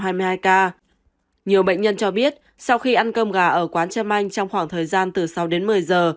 nhiều bệnh nhân cho biết sau khi ăn cơm gà ở quán trâm anh trong khoảng thời gian từ sáu đến một mươi giờ